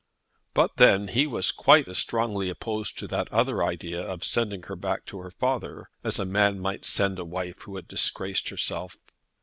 But then he was quite as strongly opposed to that other idea of sending her back to her father, as a man might send a wife who had disgraced herself.